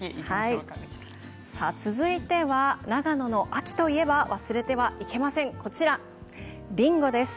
続いては長野の秋といえば忘れてはいけませんりんごです。